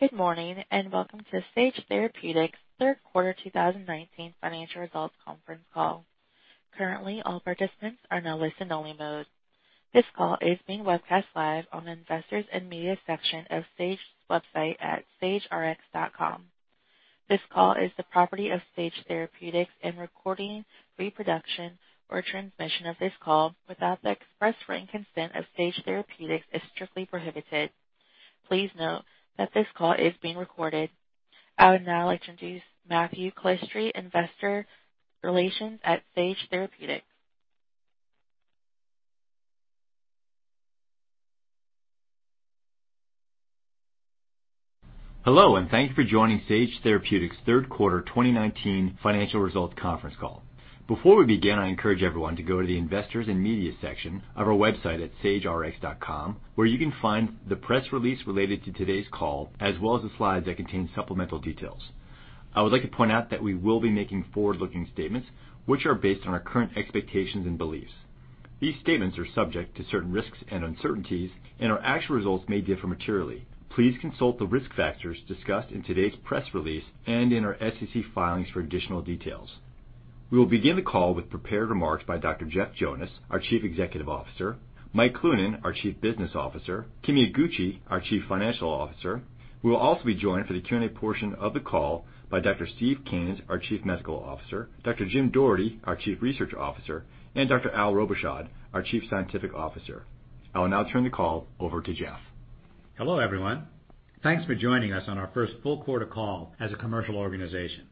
Good morning, and welcome to Sage Therapeutics' Third Quarter 2019 Financial Results Conference Call. Currently, all participants are in a listen-only mode. This call is being webcast live on the Investors and Media section of Sage's website at sagerx.com. This call is the property of Sage Therapeutics, and recording, reproduction or transmission of this call without the express written consent of Sage Therapeutics is strictly prohibited. Please note that this call is being recorded. I would now like to introduce Matthew Calistri, Investor Relations at Sage Therapeutics. Hello, and thank you for joining Sage Therapeutics' Third Quarter 2019 Financial Results Conference Call. Before we begin, I encourage everyone to go to the Investors and Media section of our website at sagerx.com, where you can find the press release related to today's call, as well as the slides that contain supplemental details. I would like to point out that we will be making forward-looking statements, which are based on our current expectations and beliefs. These statements are subject to certain risks and uncertainties, and our actual results may differ materially. Please consult the risk factors discussed in today's press release and in our SEC filings for additional details. We will begin the call with prepared remarks by Dr. Jeff Jonas, our Chief Executive Officer, Mike Cloonan, our Chief Business Officer, Kimi Iguchi, our Chief Financial Officer. We will also be joined for the Q&A portion of the call by Dr. Steve Kanes, our Chief Medical Officer, Dr. Jim Doherty, our Chief Research Officer, and Dr. Al Robichaud, our Chief Scientific Officer. I will now turn the call over to Jeff. Hello, everyone. Thanks for joining us on our first full quarter call as a commercial organization.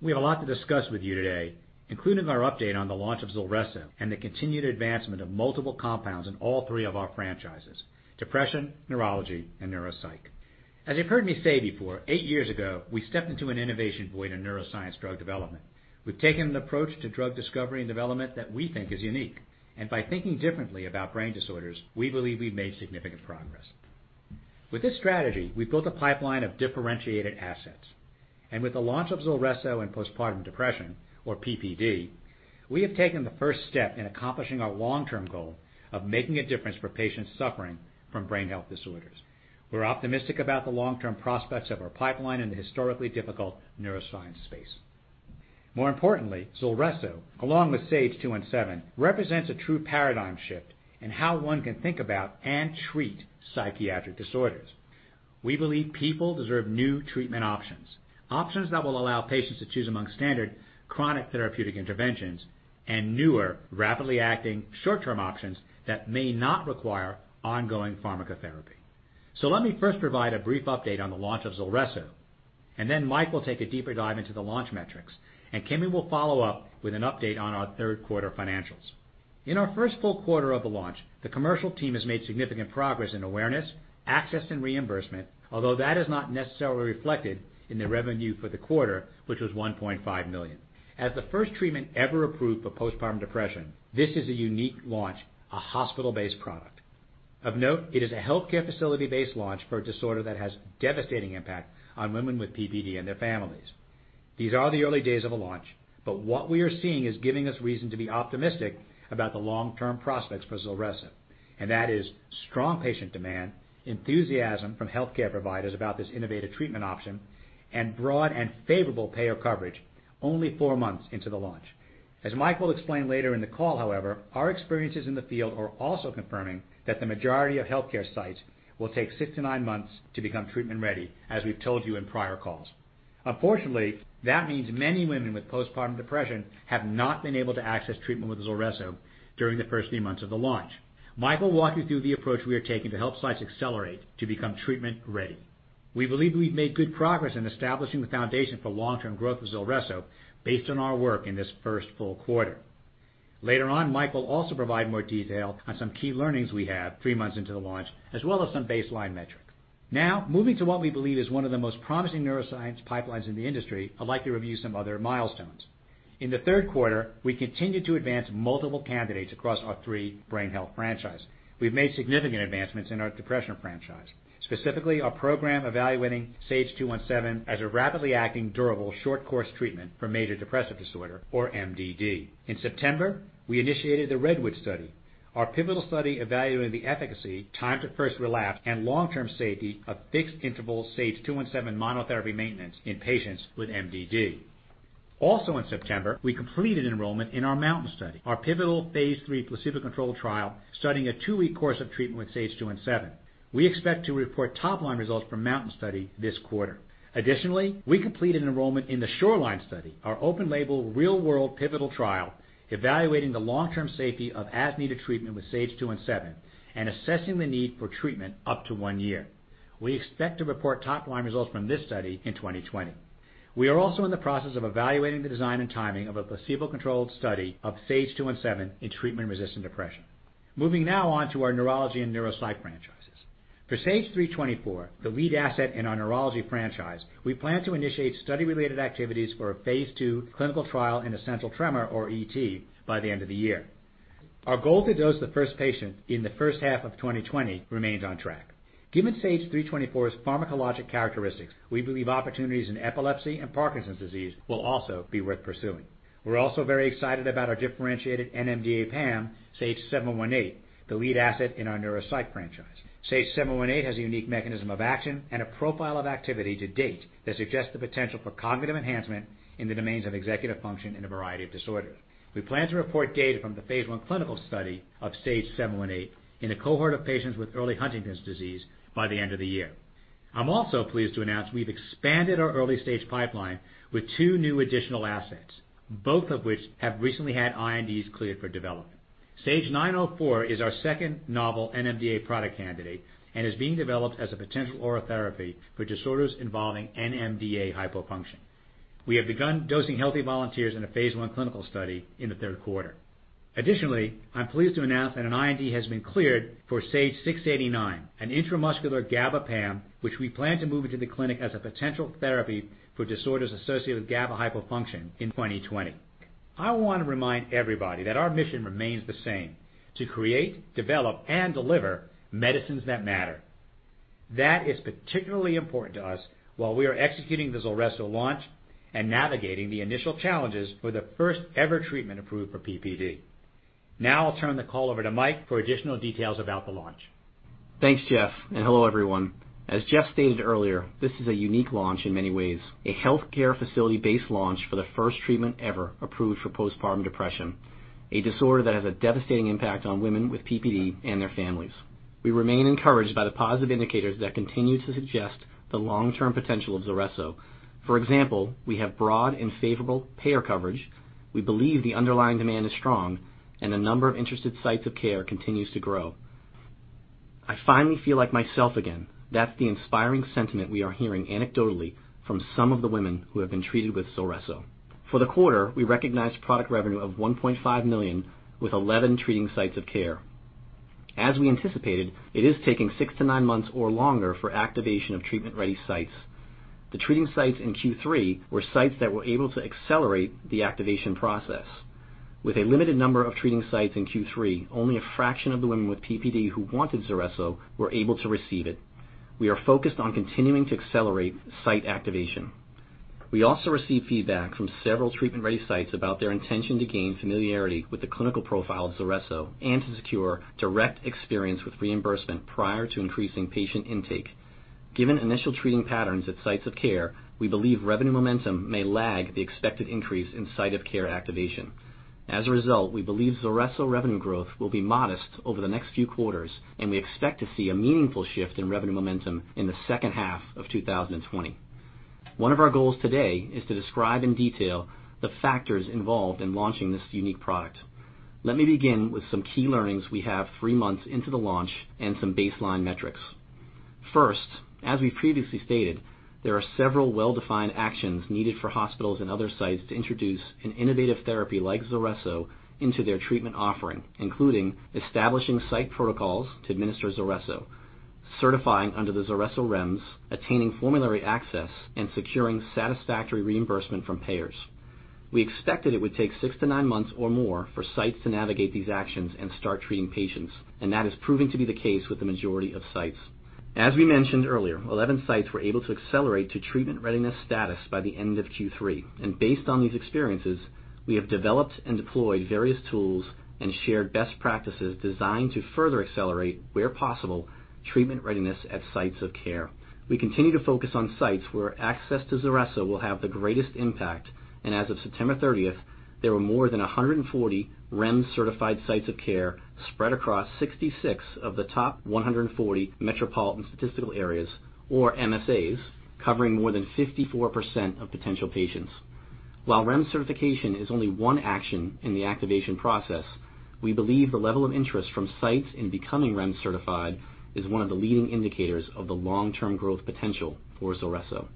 We have a lot to discuss with you today, including our update on the launch of ZULRESSO and the continued advancement of multiple compounds in all three of our franchises, depression, neurology, and neuropsych. As you've heard me say before, eight years ago, we stepped into an innovation void in neuroscience drug development. We've taken the approach to drug discovery and development that we think is unique. By thinking differently about brain disorders, we believe we've made significant progress. With this strategy, we've built a pipeline of differentiated assets. With the launch of ZULRESSO in postpartum depression, or PPD, we have taken the first step in accomplishing our long-term goal of making a difference for patients suffering from brain health disorders. We're optimistic about the long-term prospects of our pipeline in the historically difficult neuroscience space. ZULRESSO, along with SAGE-217, represents a true paradigm shift in how one can think about and treat psychiatric disorders. We believe people deserve new treatment options that will allow patients to choose among standard chronic therapeutic interventions and newer, rapidly acting short-term options that may not require ongoing pharmacotherapy. Let me first provide a brief update on the launch of ZULRESSO, and then Mike will take a deeper dive into the launch metrics, and Kimi will follow up with an update on our third quarter financials. In our first full quarter of the launch, the commercial team has made significant progress in awareness, access, and reimbursement, although that is not necessarily reflected in the revenue for the quarter, which was $1.5 million. As the first treatment ever approved for postpartum depression, this is a unique launch, a hospital-based product. Of note, it is a healthcare facility-based launch for a disorder that has devastating impact on women with PPD and their families. What we are seeing is giving us reason to be optimistic about the long-term prospects for ZULRESSO, and that is strong patient demand, enthusiasm from healthcare providers about this innovative treatment option, and broad and favorable payer coverage only four months into the launch. As Mike will explain later in the call, however, our experiences in the field are also confirming that the majority of healthcare sites will take six to nine months to become treatment-ready, as we've told you in prior calls. Unfortunately, that means many women with postpartum depression have not been able to access treatment with ZULRESSO during the first three months of the launch. Mike will walk you through the approach we are taking to help sites accelerate to become treatment-ready. We believe we've made good progress in establishing the foundation for long-term growth of ZULRESSO based on our work in this first full quarter. Later on, Mike will also provide more detail on some key learnings we have three months into the launch, as well as some baseline metrics. Now, moving to what we believe is one of the most promising neuroscience pipelines in the industry, I'd like to review some other milestones. In the third quarter, we continued to advance multiple candidates across our three brain health franchises. We've made significant advancements in our depression franchise, specifically our program evaluating SAGE-217 as a rapidly acting durable short course treatment for major depressive disorder, or MDD. In September, we initiated the REDWOOD study, our pivotal study evaluating the efficacy, time to first relapse, and long-term safety of fixed-interval SAGE-217 monotherapy maintenance in patients with MDD. Also in September, we completed enrollment in our MOUNTAIN study, our pivotal phase III placebo-controlled trial studying a two-week course of treatment with SAGE-217. We expect to report top-line results from MOUNTAIN study this quarter. Additionally, we completed enrollment in the SHORELINE study, our open-label, real-world pivotal trial evaluating the long-term safety of as-needed treatment with SAGE-217 and assessing the need for treatment up to one year. We expect to report top-line results from this study in 2020. We are also in the process of evaluating the design and timing of a placebo-controlled study of SAGE-217 in treatment-resistant depression. Moving now on to our neurology and neuropsych franchises. For SAGE-324, the lead asset in our neurology franchise, we plan to initiate study-related activities for a phase II clinical trial in essential tremor, or ET, by the end of the year. Our goal to dose the first patient in the first half of 2020 remains on track. Given SAGE-324's pharmacologic characteristics, we believe opportunities in epilepsy and Parkinson's disease will also be worth pursuing. We're also very excited about our differentiated NMDA-PAM, SAGE-718, the lead asset in our Neuropsych franchise. SAGE-718 has a unique mechanism of action and a profile of activity to date that suggests the potential for cognitive enhancement in the domains of executive function in a variety of disorders. We plan to report data from the phase I clinical study of SAGE-718 in a cohort of patients with early Huntington's disease by the end of the year. I'm also pleased to announce we've expanded our early-stage pipeline with two new additional assets, both of which have recently had INDs cleared for development. SAGE-904 is our second novel NMDA product candidate and is being developed as a potential oral therapy for disorders involving NMDA hypofunction. We have begun dosing healthy volunteers in a phase I clinical study in the third quarter. I'm pleased to announce that an IND has been cleared for SAGE-689, an intramuscular GABA PAM, which we plan to move into the clinic as a potential therapy for disorders associated with GABA hypofunction in 2020. I want to remind everybody that our mission remains the same: to create, develop, and deliver medicines that matter. That is particularly important to us while we are executing the ZULRESSO launch and navigating the initial challenges for the first-ever treatment approved for PPD. I'll turn the call over to Mike for additional details about the launch. Thanks, Jeff. Hello, everyone. As Jeff stated earlier, this is a unique launch in many ways. A healthcare facility-based launch for the first treatment ever approved for postpartum depression, a disorder that has a devastating impact on women with PPD and their families. We remain encouraged by the positive indicators that continue to suggest the long-term potential of ZULRESSO. For example, we have broad and favorable payer coverage, we believe the underlying demand is strong, and the number of interested sites of care continues to grow. "I finally feel like myself again." That's the inspiring sentiment we are hearing anecdotally from some of the women who have been treated with ZULRESSO. For the quarter, we recognized product revenue of $1.5 million with 11 treating sites of care. As we anticipated, it is taking six to nine months or longer for activation of treatment-ready sites. The treating sites in Q3 were sites that were able to accelerate the activation process. With a limited number of treating sites in Q3, only a fraction of the women with PPD who wanted ZULRESSO were able to receive it. We are focused on continuing to accelerate site activation. We also received feedback from several treatment-ready sites about their intention to gain familiarity with the clinical profile of ZULRESSO and to secure direct experience with reimbursement prior to increasing patient intake. Given initial treating patterns at sites of care, we believe revenue momentum may lag the expected increase in site of care activation. As a result, we believe ZULRESSO revenue growth will be modest over the next few quarters, and we expect to see a meaningful shift in revenue momentum in the second half of 2020. One of our goals today is to describe in detail the factors involved in launching this unique product. Let me begin with some key learnings we have three months into the launch and some baseline metrics. First, as we've previously stated, there are several well-defined actions needed for hospitals and other sites to introduce an innovative therapy like ZULRESSO into their treatment offering, including establishing site protocols to administer ZULRESSO, certifying under the ZULRESSO REMS, attaining formulary access, and securing satisfactory reimbursement from payers. We expected it would take six to nine months or more for sites to navigate these actions and start treating patients, and that is proving to be the case with the majority of sites. As we mentioned earlier, 11 sites were able to accelerate to treatment readiness status by the end of Q3. Based on these experiences, we have developed and deployed various tools and shared best practices designed to further accelerate, where possible, treatment readiness at sites of care. We continue to focus on sites where access to ZULRESSO will have the greatest impact, and as of September 30th, there were more than 140 REMS-certified sites of care spread across 66 of the top 140 metropolitan statistical areas, or MSAs, covering more than 54% of potential patients. While REMS certification is only one action in the activation process, we believe the level of interest from sites in becoming REMS certified is one of the leading indicators of the long-term growth potential for ZULRESSO.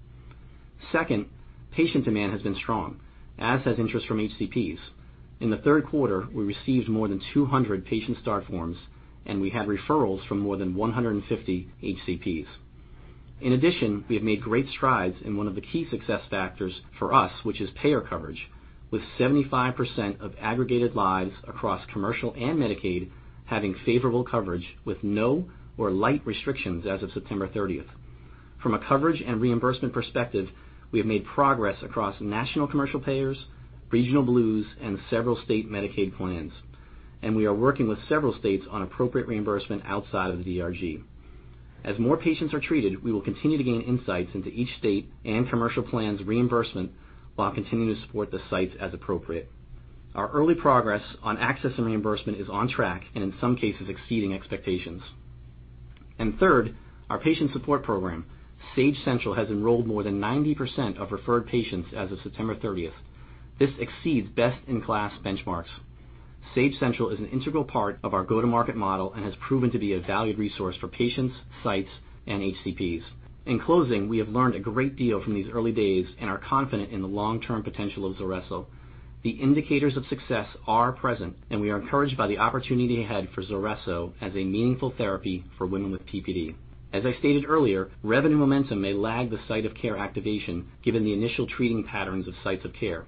Second, patient demand has been strong, as has interest from HCPs. In the third quarter, we received more than 200 patient start forms, and we had referrals from more than 150 HCPs. We have made great strides in one of the key success factors for us, which is payer coverage, with 75% of aggregated lives across commercial and Medicaid having favorable coverage with no or light restrictions as of September 30th. From a coverage and reimbursement perspective, we have made progress across national commercial payers, regional blues, and several state Medicaid plans. We are working with several states on appropriate reimbursement outside of the DRG. As more patients are treated, we will continue to gain insights into each state and commercial plans' reimbursement while continuing to support the sites as appropriate. Our early progress on access and reimbursement is on track and in some cases exceeding expectations. Third, our patient support program, Sage Central, has enrolled more than 90% of referred patients as of September 30th. This exceeds best-in-class benchmarks. Sage Central is an integral part of our go-to-market model and has proven to be a valued resource for patients, sites, and HCPs. In closing, we have learned a great deal from these early days and are confident in the long-term potential of ZULRESSO. The indicators of success are present, and we are encouraged by the opportunity ahead for ZULRESSO as a meaningful therapy for women with PPD. As I stated earlier, revenue momentum may lag the site of care activation given the initial treating patterns of sites of care.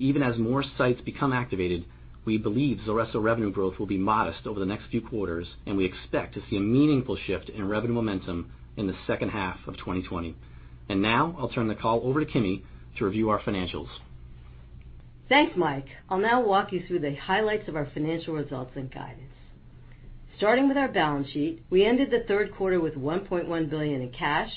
Even as more sites become activated, we believe ZULRESSO revenue growth will be modest over the next few quarters, and we expect to see a meaningful shift in revenue momentum in the second half of 2020. Now I'll turn the call over to Kimi to review our financials. Thanks, Mike. I'll now walk you through the highlights of our financial results and guidance. Starting with our balance sheet, we ended the third quarter with $1.1 billion in cash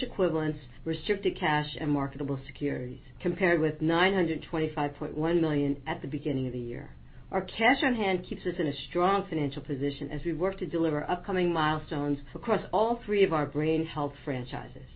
equivalents, restricted cash, and marketable securities, compared with $925.1 million at the beginning of the year. Our cash on hand keeps us in a strong financial position as we work to deliver upcoming milestones across all three of our brain health franchises.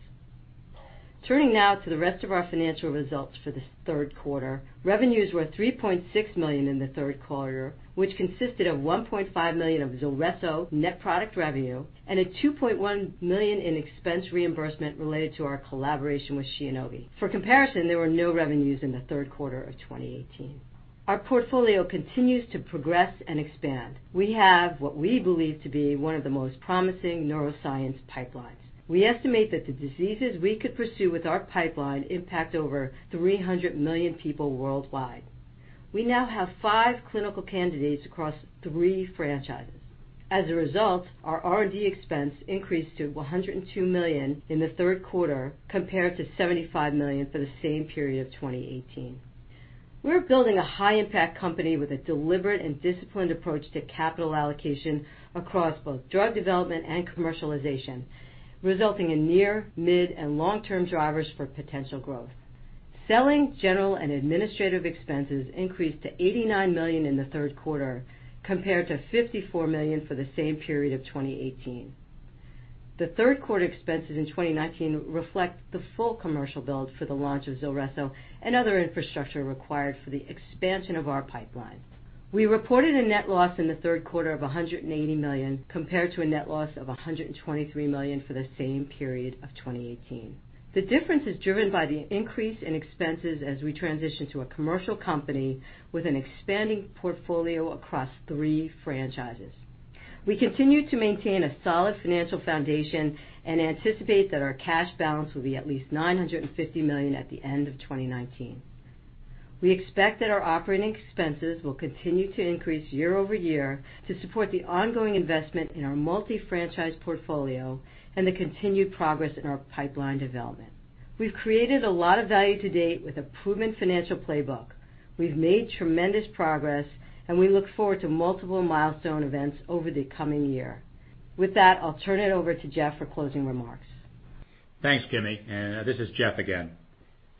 Turning now to the rest of our financial results for this third quarter. Revenues were $3.6 million in the third quarter, which consisted of $1.5 million of ZULRESSO net product revenue, and a $2.1 million in expense reimbursement related to our collaboration with Shionogi. For comparison, there were no revenues in the third quarter of 2018. Our portfolio continues to progress and expand. We have what we believe to be one of the most promising neuroscience pipelines. We estimate that the diseases we could pursue with our pipeline impact over 300 million people worldwide. We now have five clinical candidates across three franchises. As a result, our R&D expense increased to $102 million in the third quarter compared to $75 million for the same period of 2018. We're building a high impact company with a deliberate and disciplined approach to capital allocation across both drug development and commercialization, resulting in near, mid, and long-term drivers for potential growth. Selling general and administrative expenses increased to $89 million in the third quarter compared to $54 million for the same period of 2018. The third quarter expenses in 2019 reflect the full commercial build for the launch of ZULRESSO and other infrastructure required for the expansion of our pipeline. We reported a net loss in the third quarter of $180 million compared to a net loss of $123 million for the same period of 2018. The difference is driven by the increase in expenses as we transition to a commercial company with an expanding portfolio across three franchises. We continue to maintain a solid financial foundation and anticipate that our cash balance will be at least $950 million at the end of 2019. We expect that our operating expenses will continue to increase year-over-year to support the ongoing investment in our multi-franchise portfolio and the continued progress in our pipeline development. We've created a lot of value to date with a proven financial playbook. We've made tremendous progress, and we look forward to multiple milestone events over the coming year. With that, I'll turn it over to Jeff for closing remarks. Thanks, Kimi. This is Jeff again.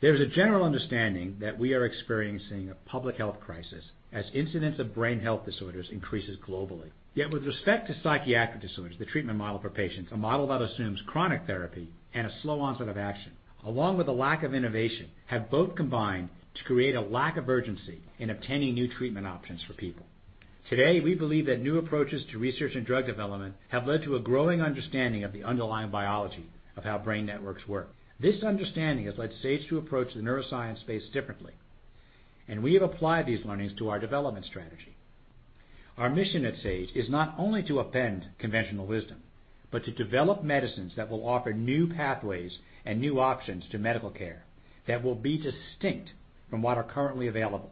There's a general understanding that we are experiencing a public health crisis as incidents of brain health disorders increases globally. Yet with respect to psychiatric disorders, the treatment model for patients, a model that assumes chronic therapy and a slow onset of action, along with a lack of innovation, have both combined to create a lack of urgency in obtaining new treatment options for people. Today, we believe that new approaches to research and drug development have led to a growing understanding of the underlying biology of how brain networks work. This understanding has led Sage to approach the neuroscience space differently, and we have applied these learnings to our development strategy. Our mission at Sage is not only to upend conventional wisdom, but to develop medicines that will offer new pathways and new options to medical care that will be distinct from what are currently available,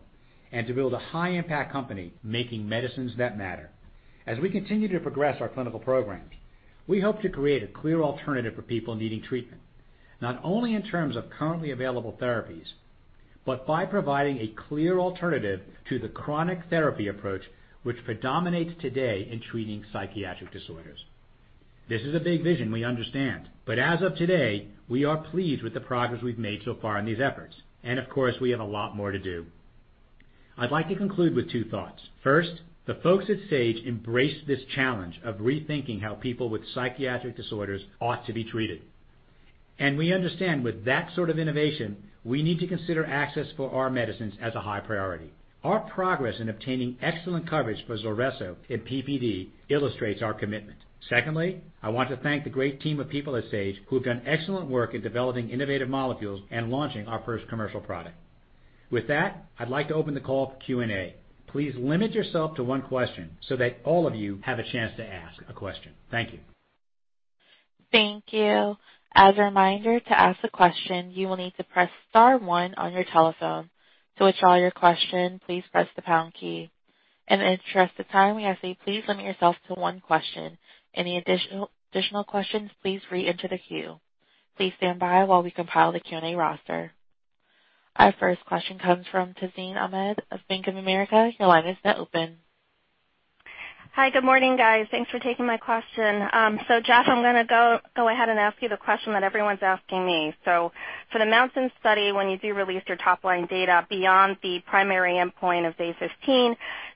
and to build a high impact company making medicines that matter. As we continue to progress our clinical programs, we hope to create a clear alternative for people needing treatment, not only in terms of currently available therapies, but by providing a clear alternative to the chronic therapy approach which predominates today in treating psychiatric disorders. This is a big vision, we understand. As of today, we are pleased with the progress we've made so far in these efforts. Of course, we have a lot more to do. I'd like to conclude with two thoughts. First, the folks at Sage embrace this challenge of rethinking how people with psychiatric disorders ought to be treated. We understand with that sort of innovation, we need to consider access for our medicines as a high priority. Our progress in obtaining excellent coverage for ZULRESSO and PPD illustrates our commitment. Secondly, I want to thank the great team of people at Sage who have done excellent work in developing innovative molecules and launching our first commercial product. With that, I'd like to open the call for Q&A. Please limit yourself to one question so that all of you have a chance to ask a question. Thank you. Thank you. As a reminder, to ask a question, you will need to press star one on your telephone. To withdraw your question, please press the pound key. In the interest of time, we ask that you please limit yourself to one question. Any additional questions, please reenter the queue. Please stand by while we compile the Q&A roster. Our first question comes from Tazeen Ahmad of Bank of America. Your line is now open. Hi. Good morning, guys. Thanks for taking my question. Jeff, I'm going to go ahead and ask you the question that everyone's asking me. For the MOUNTAIN study, when you do release your top line data beyond the primary endpoint of day 15,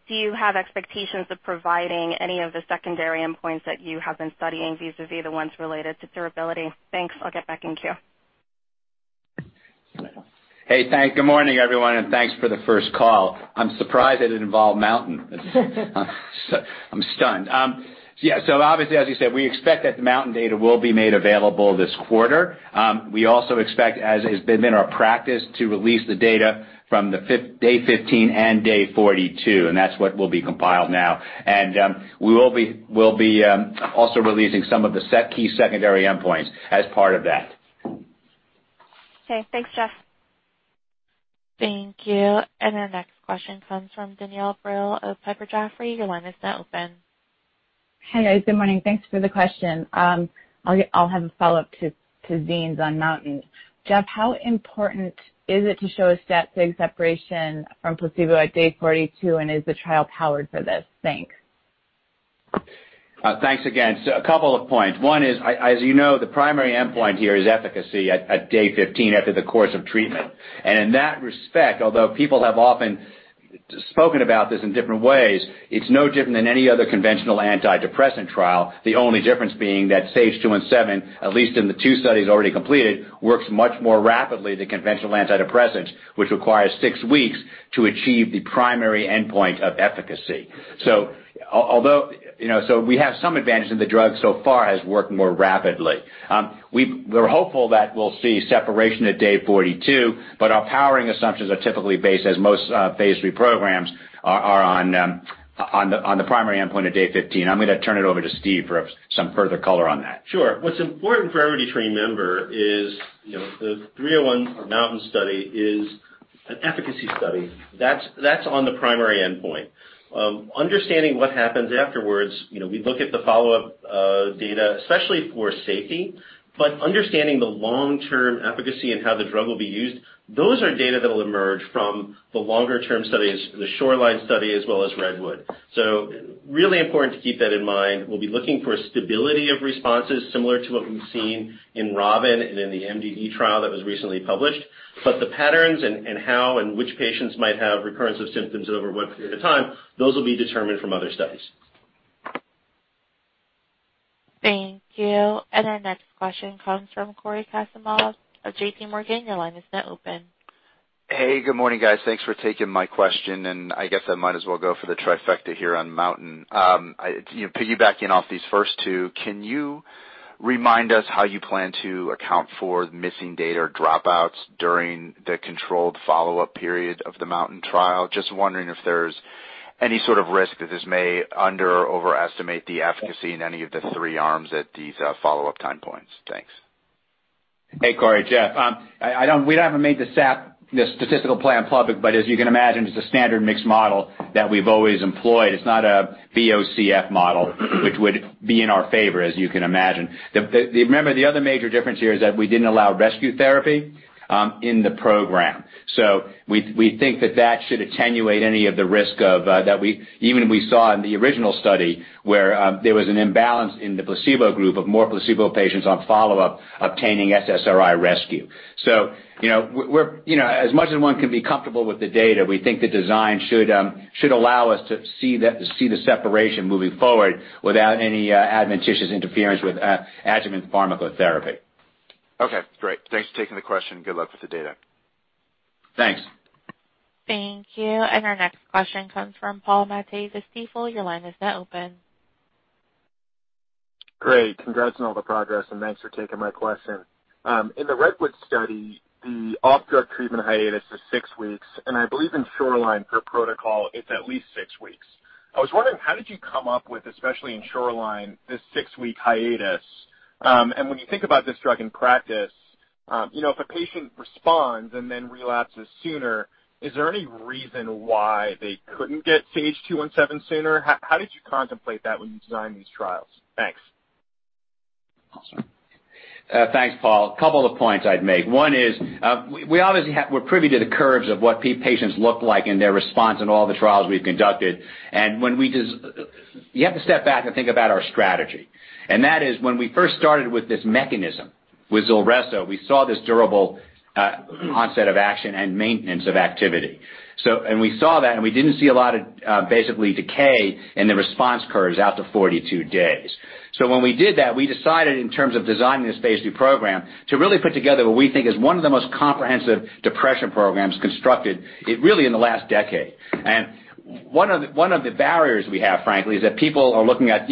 do you have expectations of providing any of the secondary endpoints that you have been studying, vis-a-vis the ones related to durability? Thanks. I'll get back in queue. Hey, Tazeen. Good morning, everyone, and thanks for the first call. I'm surprised that it involved MOUNTAIN. I'm stunned. Yeah. Obviously, as you said, we expect that the MOUNTAIN data will be made available this quarter. We also expect, as has been our practice, to release the data from the day 15 and day 42, and that's what will be compiled now. We'll be also releasing some of the key secondary endpoints as part of that. Okay. Thanks, Jeff. Thank you. Our next question comes from Danielle Brill of Piper Jaffray. Your line is now open. Hey, guys. Good morning. Thanks for the question. I'll have a follow-up to Tazeen on MOUNTAIN. Jeff, how important is it to show a stat sig separation from placebo at day 42? Is the trial powered for this? Thanks. Thanks again. A couple of points. One is, as you know, the primary endpoint here is efficacy at day 15 after the course of treatment. In that respect, although people have often spoken about this in different ways, it's no different than any other conventional antidepressant trial. The only difference being that SAGE-217, at least in the two studies already completed, works much more rapidly than conventional antidepressants, which requires six weeks to achieve the primary endpoint of efficacy. We have some advantage in the drug so far as working more rapidly. We're hopeful that we'll see separation at day 42, but our powering assumptions are typically based, as most phase III programs are, on the primary endpoint of day 15. I'm going to turn it over to Steve for some further color on that. Sure. What's important for everybody to remember is the 301 or MOUNTAIN study is an efficacy study. That's on the primary endpoint. Understanding what happens afterwards, we look at the follow-up data, especially for safety, but understanding the long-term efficacy and how the drug will be used, those are data that will emerge from the longer-term studies, the SHORELINE study, as well as REDWOOD. Really important to keep that in mind. We'll be looking for stability of responses similar to what we've seen in ROBIN and in the MDD trial that was recently published. The patterns and how and which patients might have recurrence of symptoms over what period of time, those will be determined from other studies. Thank you. Our next question comes from Cory Kasimov of JP Morgan. Your line is now open. Hey, good morning, guys. Thanks for taking my question. I guess I might as well go for the trifecta here on MOUNTAIN. Piggybacking off these first two, can you remind us how you plan to account for missing data or dropouts during the controlled follow-up period of the MOUNTAIN trial? Just wondering if there's any sort of risk that this may under or overestimate the efficacy in any of the three arms at these follow-up time points. Thanks. Hey, Cory. Jeff. We haven't made the statistical plan public, but as you can imagine, it's a standard mixed model that we've always employed. It's not a LOCF model, which would be in our favor, as you can imagine. Remember, the other major difference here is that we didn't allow rescue therapy in the program. We think that that should attenuate any of the risk of that even we saw in the original study, where there was an imbalance in the placebo group of more placebo patients on follow-up obtaining SSRI rescue. As much as one can be comfortable with the data, we think the design should allow us to see the separation moving forward without any adventitious interference with adjuvant pharmacotherapy. Okay. Great. Thanks for taking the question. Good luck with the data. Thanks. Thank you. Our next question comes from Paul Matteis of Stifel. Your line is now open. Great. Congrats on all the progress, and thanks for taking my question. In the REDWOOD study, the off-drug treatment hiatus is six weeks, and I believe in SHORELINE for protocol, it's at least six weeks. I was wondering, how did you come up with, especially in SHORELINE, this six-week hiatus? When you think about this drug in practice, if a patient responds and then relapses sooner, is there any reason why they couldn't get SAGE-217 sooner? How did you contemplate that when you designed these trials? Thanks. Thanks, Paul. Couple of points I'd make. One is we obviously were privy to the curves of what patients look like in their response in all the trials we've conducted. You have to step back and think about our strategy. That is when we first started with this mechanism with ZULRESSO, we saw this durable onset of action and maintenance of activity. We saw that, and we didn't see a lot of basically decay in the response curves out to 42 days. When we did that, we decided in terms of designing this phase II program to really put together what we think is one of the most comprehensive depression programs constructed really in the last decade. One of the barriers we have, frankly, is that people are looking at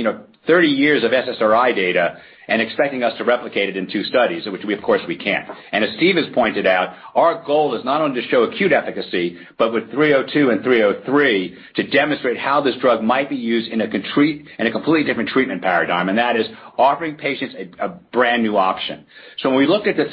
30 years of SSRI data and expecting us to replicate it in two studies, which of course we can't. As Steve has pointed out, our goal is not only to show acute efficacy, but with 302 and 303, to demonstrate how this drug might be used in a completely different treatment paradigm, and that is offering patients a brand new option. When we looked at the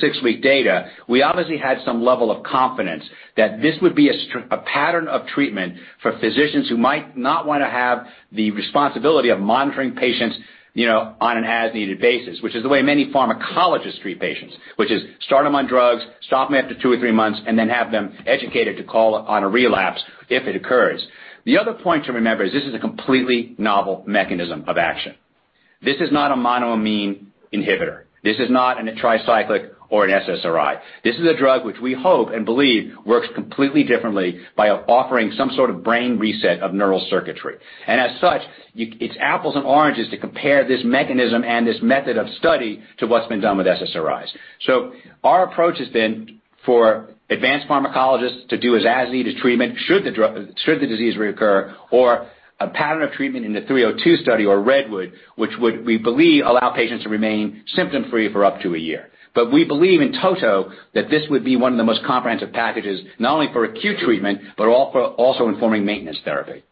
six-week data, we obviously had some level of confidence that this would be a pattern of treatment for physicians who might not want to have the responsibility of monitoring patients on an as-needed basis. Which is the way many pharmacologists treat patients. Which is start them on drugs, stop them after two or three months, and then have them educated to call on a relapse if it occurs. The other point to remember is this is a completely novel mechanism of action. This is not a monoamine inhibitor. This is not a tricyclic or an SSRI. This is a drug which we hope and believe works completely differently by offering some sort of brain reset of neural circuitry. As such, it's apples and oranges to compare this mechanism and this method of study to what's been done with SSRIs. Our approach has been for advanced pharmacologists to do as-needed treatment should the disease reoccur, or a pattern of treatment in the 302 study or REDWOOD, which would, we believe, allow patients to remain symptom-free for up to a year. We believe in toto that this would be one of the most comprehensive packages, not only for acute treatment, but also informing maintenance therapy.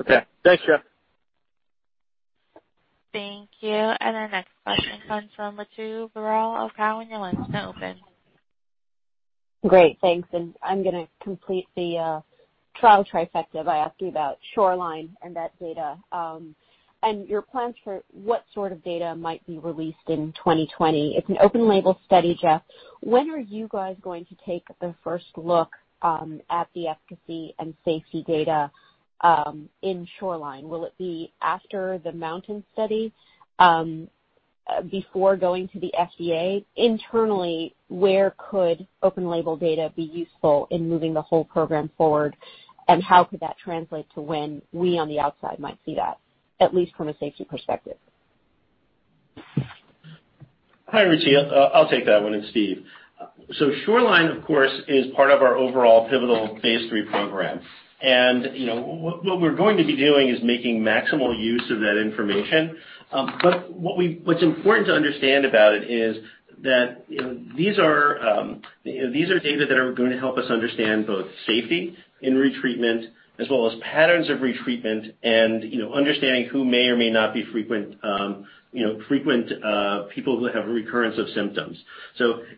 Okay. Thanks, Jeff. Thank you. Our next question comes from Ritu Baral of Cowen. Your line is now open. Great. Thanks. I'm going to complete the trial trifecta by asking you about SHORELINE and that data, and your plans for what sort of data might be released in 2020. It's an open-label study, Jeff. When are you guys going to take the first look at the efficacy and safety data in SHORELINE? Will it be after the MOUNTAIN study, before going to the FDA? Internally, where could open-label data be useful in moving the whole program forward, and how could that translate to when we on the outside might see that, at least from a safety perspective? Hi, Ritu. I'll take that one. It's Steve. SHORELINE, of course, is part of our overall pivotal phase III program. What we're going to be doing is making maximal use of that information. What's important to understand about it is that these are data that are going to help us understand both safety in retreatment as well as patterns of retreatment and understanding who may or may not be frequent people who have a recurrence of symptoms.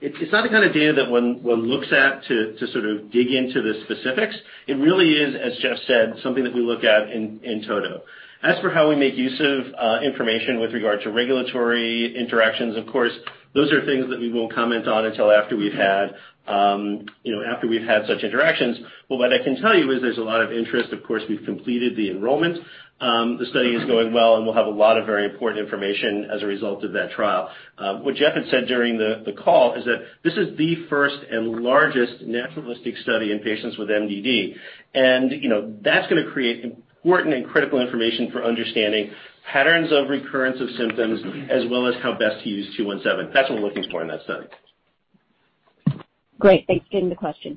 It's not the kind of data that one looks at to sort of dig into the specifics. It really is, as Jeff said, something that we look at in toto. As for how we make use of information with regard to regulatory interactions, of course, those are things that we won't comment on until after we've had such interactions. What I can tell you is there's a lot of interest. Of course, we've completed the enrollment. The study is going well. We'll have a lot of very important information as a result of that trial. What Jeff had said during the call is that this is the first and largest naturalistic study in patients with MDD. That's going to create important and critical information for understanding patterns of recurrence of symptoms, as well as how best to use SAGE-217. That's what we're looking for in that study. Great. Thanks for taking the question.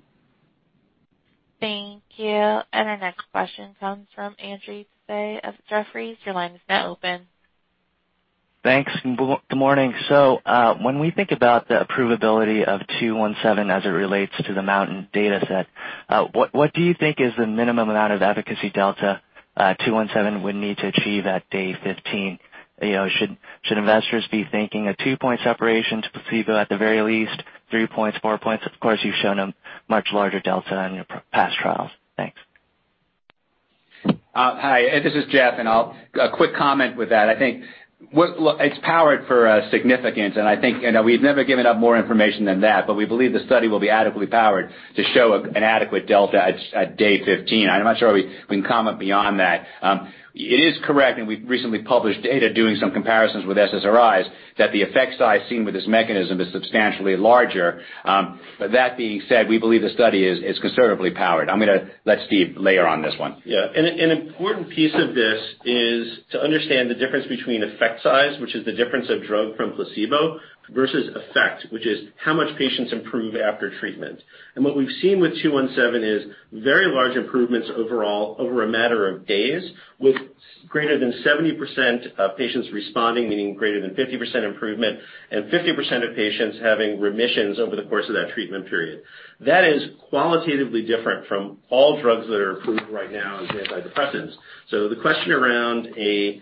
Thank you. Our next question comes from Andrew Thibault of Jefferies. Your line is now open. Thanks, good morning. When we think about the approvability of 217 as it relates to the MOUNTAIN data set, what do you think is the minimum amount of efficacy delta 217 would need to achieve at day 15? Should investors be thinking a two-point separation to placebo at the very least, three points, four points? Of course, you've shown a much larger delta in your past trials. Thanks. Hi, this is Jeff. Quick comment with that. I think it's powered for significance, and I think we've never given out more information than that, but we believe the study will be adequately powered to show an adequate delta at day 15. I'm not sure we can comment beyond that. It is correct, and we recently published data doing some comparisons with SSRIs, that the effect size seen with this mechanism is substantially larger. That being said, we believe the study is considerably powered. I'm going to let Steve layer on this one. An important piece of this is to understand the difference between effect size, which is the difference of drug from placebo, versus effect, which is how much patients improve after treatment. What we've seen with two-one-seven is very large improvements overall over a matter of days, with greater than 70% of patients responding, meaning greater than 50% improvement, and 50% of patients having remissions over the course of that treatment period. That is qualitatively different from all drugs that are approved right now as antidepressants. The question around a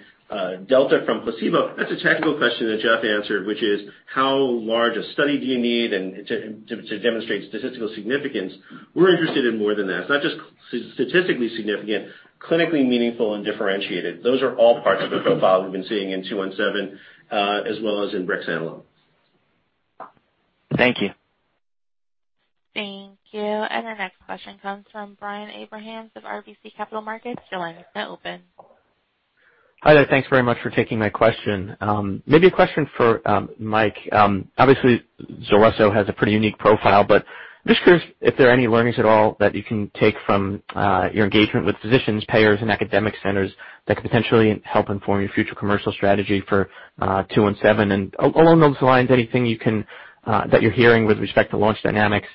delta from placebo, that's a technical question that Jeff answered, which is how large a study do you need to demonstrate statistical significance? We're interested in more than that. It's not just statistically significant, clinically meaningful and differentiated. Those are all parts of the profile we've been seeing in two-one-seven, as well as in brexanolone. Thank you. Thank you. Our next question comes from Brian Abrahams of RBC Capital Markets. Your line is now open. Hi there. Thanks very much for taking my question. Maybe a question for Mike. Obviously, ZULRESSO has a pretty unique profile, but I'm just curious if there are any learnings at all that you can take from your engagement with physicians, payers, and academic centers that could potentially help inform your future commercial strategy for two-one-seven. Along those lines, anything that you're hearing with respect to launch dynamics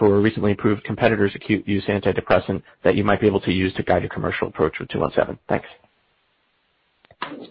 for recently approved competitors' acute-use antidepressant that you might be able to use to guide your commercial approach with two-one-seven. Thanks.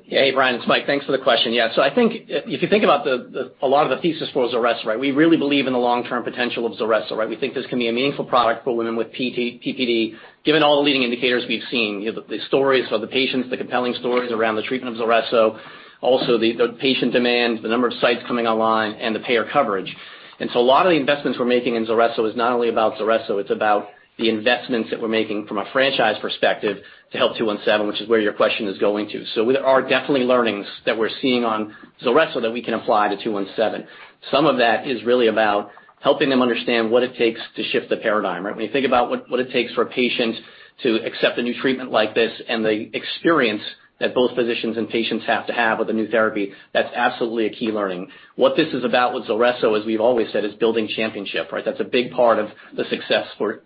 Hey, Brian. It's Mike. Thanks for the question. Yeah. I think if you think about a lot of the thesis for ZULRESSO, we really believe in the long-term potential of ZULRESSO. We think this can be a meaningful product for women with PPD, given all the leading indicators we've seen, the stories of the patients, the compelling stories around the treatment of ZULRESSO, also the patient demand, the number of sites coming online, and the payer coverage. A lot of the investments we're making in ZULRESSO is not only about ZULRESSO, it's about the investments that we're making from a franchise perspective to help SAGE-217, which is where your question is going to. There are definitely learnings that we're seeing on ZULRESSO that we can apply to SAGE-217. Some of that is really about Helping them understand what it takes to shift the paradigm, right? When you think about what it takes for a patient to accept a new treatment like this and the experience that both physicians and patients have to have with a new therapy, that's absolutely a key learning. What this is about with ZULRESSO, as we've always said, is building championship, right? That's a big part of the success for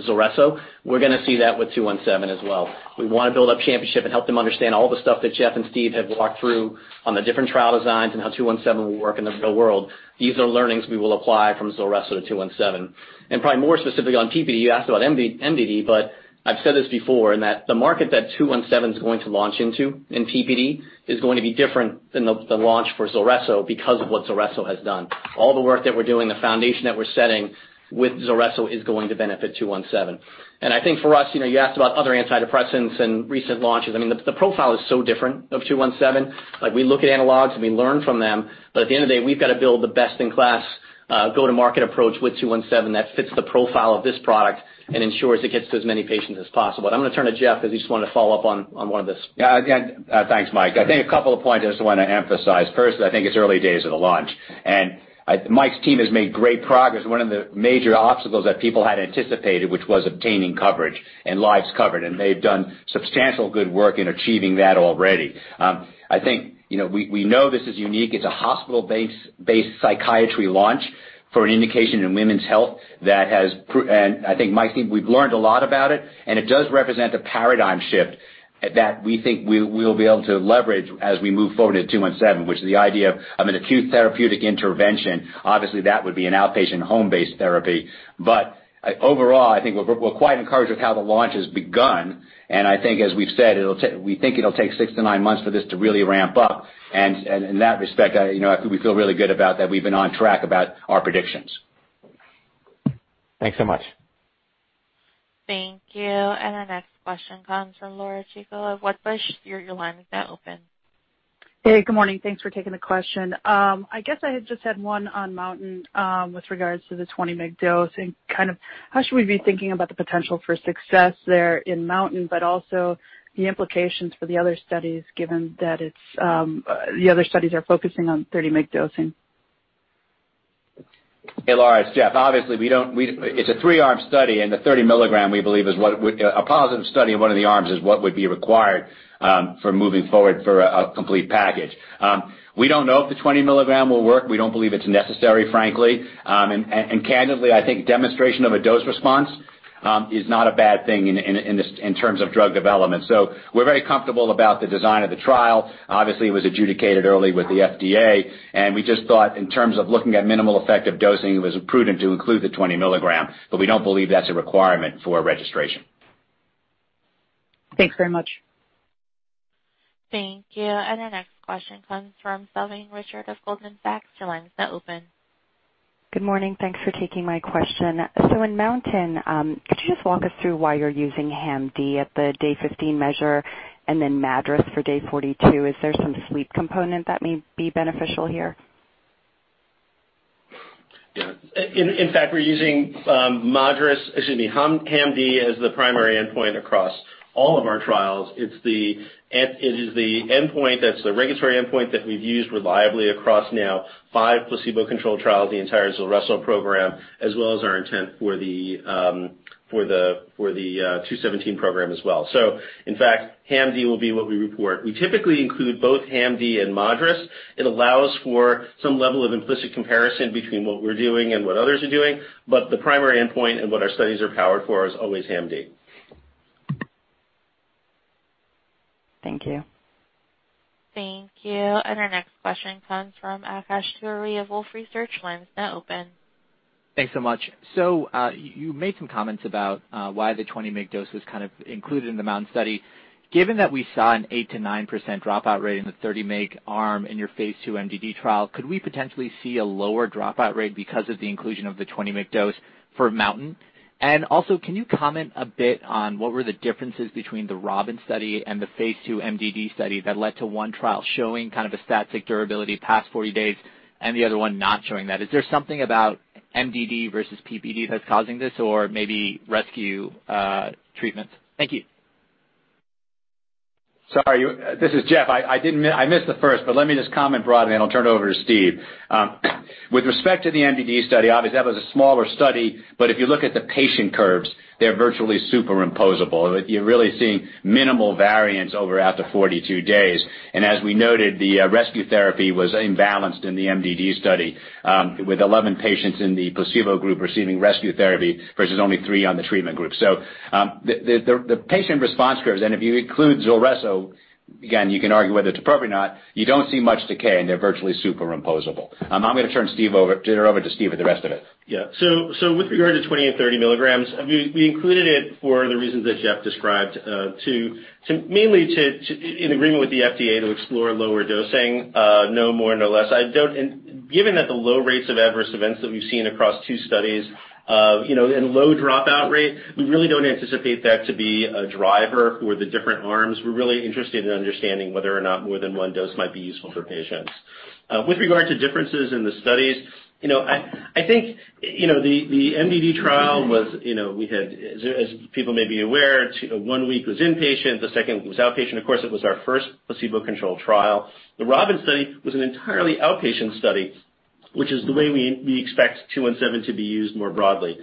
ZULRESSO. We're going to see that with 217 as well. We want to build up championship and help them understand all the stuff that Jeff and Steve have walked through on the different trial designs and how 217 will work in the real world. These are learnings we will apply from ZULRESSO to 217. Probably more specifically on PPD, you asked about MDD, but I've said this before in that the market that 217 is going to launch into in PPD is going to be different than the launch for ZULRESSO because of what ZULRESSO has done. All the work that we're doing, the foundation that we're setting with ZULRESSO is going to benefit 217. I think for us, you asked about other antidepressants and recent launches. I mean, the profile is so different of 217. We look at analogs, and we learn from them. At the end of the day, we've got to build the best-in-class go-to-market approach with 217 that fits the profile of this product and ensures it gets to as many patients as possible. I'm going to turn to Jeff, because he just wanted to follow up on one of this. Again, thanks, Mike. I think a couple of points I just want to emphasize. First, I think it's early days of the launch. Mike's team has made great progress. One of the major obstacles that people had anticipated, which was obtaining coverage and lives covered, they've done substantial good work in achieving that already. I think we know this is unique. It's a hospital-based psychiatry launch for an indication in women's health. I think, Mike, we've learned a lot about it, and it does represent a paradigm shift that we think we'll be able to leverage as we move forward with SAGE-217, which is the idea of an acute therapeutic intervention. Obviously, that would be an outpatient home-based therapy. Overall, I think we're quite encouraged with how the launch has begun, and I think as we've said, we think it'll take six to nine months for this to really ramp up. In that respect, we feel really good about that we've been on track about our predictions. Thanks so much. Thank you. Our next question comes from Laura Chico of Wedbush. Your line is now open. Hey, good morning. Thanks for taking the question. I guess I just had one on MOUNTAIN with regards to the 20-mg dose and how should we be thinking about the potential for success there in MOUNTAIN, but also the implications for the other studies, given that the other studies are focusing on 30-mg dosing? Hey, Laura, it's Jeff. It's a 3-arm study, and the 30 milligram we believe is what. A positive study in one of the arms is what would be required for moving forward for a complete package. We don't know if the 20 milligram will work. We don't believe it's necessary, frankly. Candidly, I think demonstration of a dose response is not a bad thing in terms of drug development. We're very comfortable about the design of the trial. It was adjudicated early with the FDA, and we just thought in terms of looking at minimal effective dosing, it was prudent to include the 20 milligram. We don't believe that's a requirement for registration. Thanks very much. Thank you. Our next question comes from Salveen Richter of Goldman Sachs. Your line is now open. Good morning. Thanks for taking my question. In MOUNTAIN, could you just walk us through why you're using HAM-D at the day 15 measure and then MADRS for day 42? Is there some sleep component that may be beneficial here? Yeah. In fact, we're using HAM-D as the primary endpoint across all of our trials. It is the regulatory endpoint that we've used reliably across now five placebo-controlled trials the entire ZULRESSO program, as well as our intent for the 217 program as well. In fact, HAM-D will be what we report. We typically include both HAM-D and MADRS. It allows for some level of implicit comparison between what we're doing and what others are doing, but the primary endpoint and what our studies are powered for is always HAM-D. Thank you. Thank you. Our next question comes from Akash Tewari of Wolfe Research. Your line is now open. Thanks so much. You made some comments about why the 20 mg dose was included in the MOUNTAIN study. Given that we saw an 8%-9% dropout rate in the 30 mg arm in your phase II MDD trial, could we potentially see a lower dropout rate because of the inclusion of the 20 mg dose for MOUNTAIN? Also, can you comment a bit on what were the differences between the ROBIN study and the phase II MDD study that led to one trial showing a static durability past 40 days and the other one not showing that? Is there something about MDD versus PPD that's causing this or maybe rescue treatments? Thank you. Sorry. This is Jeff. I missed the first, but let me just comment broadly, and I'll turn it over to Steve. With respect to the MDD study, obviously, that was a smaller study, but if you look at the patient curves, they're virtually superimposable. You're really seeing minimal variance over after 42 days. As we noted, the rescue therapy was imbalanced in the MDD study with 11 patients in the placebo group receiving rescue therapy versus only three on the treatment group. The patient response curves, and if you include ZULRESSO, again, you can argue whether it's appropriate or not, you don't see much decay, and they're virtually superimposable. I'm going to turn it over to Steve for the rest of it. Yeah. With regard to 20 and 30 milligrams, we included it for the reasons that Jeff described, mainly in agreement with the FDA to explore lower dosing, no more, no less. Given that the low rates of adverse events that we've seen across two studies and low dropout rate, we really don't anticipate that to be a driver for the different arms. We're really interested in understanding whether or not more than one dose might be useful for patients. With regard to differences in the studies, I think the MDD trial was, as people may be aware, one week was inpatient, the second was outpatient. Of course, it was our first placebo-controlled trial. The ROBIN study was an entirely outpatient study. Which is the way we expect 217 to be used more broadly.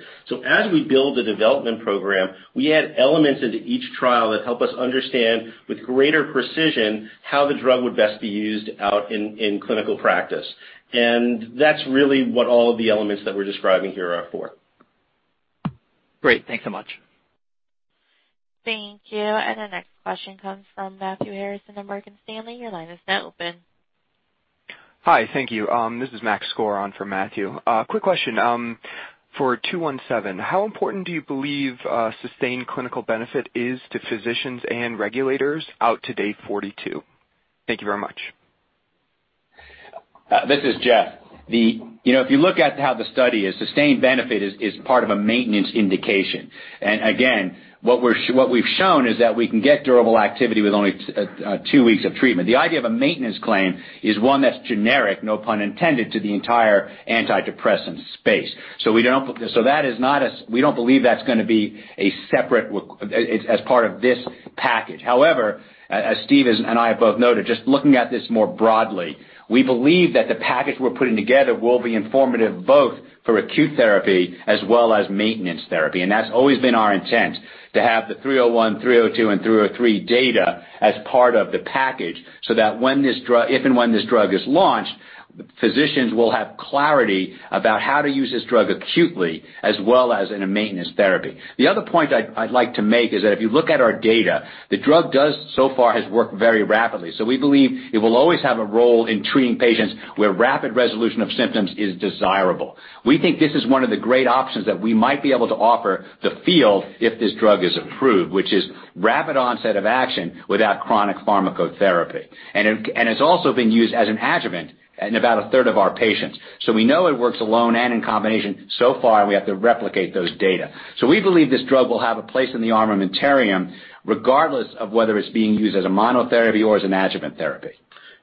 As we build the development program, we add elements into each trial that help us understand with greater precision how the drug would best be used out in clinical practice. That's really what all of the elements that we're describing here are for. Great. Thanks so much. Thank you. Our next question comes from Matthew Harrison of Morgan Stanley. Your line is now open. Hi, thank you. This is Max Coran for Matthew. Quick question. For 217, how important do you believe sustained clinical benefit is to physicians and regulators out to day 42? Thank you very much. This is Jeff. If you look at how the study is, sustained benefit is part of a maintenance indication. Again, what we've shown is that we can get durable activity with only two weeks of treatment. The idea of a maintenance claim is one that's generic, no pun intended, to the entire antidepressant space. We don't believe that's going to be a separate as part of this package. However, as Steve and I have both noted, just looking at this more broadly, we believe that the package we're putting together will be informative both for acute therapy as well as maintenance therapy. That's always been our intent, to have the 301, 302, and 303 data as part of the package so that if and when this drug is launched, physicians will have clarity about how to use this drug acutely as well as in a maintenance therapy. The other point I'd like to make is that if you look at our data, the drug does so far has worked very rapidly. We believe it will always have a role in treating patients where rapid resolution of symptoms is desirable. We think this is one of the great options that we might be able to offer the field if this drug is approved, which is rapid onset of action without chronic pharmacotherapy. It's also being used as an adjuvant in about a third of our patients. We know it works alone and in combination. Far, we have to replicate those data. We believe this drug will have a place in the armamentarium regardless of whether it's being used as a monotherapy or as an adjuvant therapy.